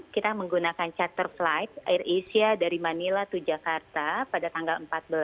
kita menggunakan charter flight air asia dari manila to jakarta pada tanggal empat belas